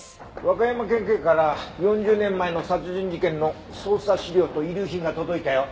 和歌山県警から４０年前の殺人事件の捜査資料と遺留品が届いたよ。